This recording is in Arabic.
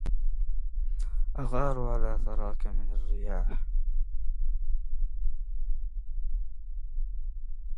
أغار على ثراك من الرياح